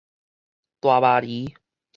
大貓狸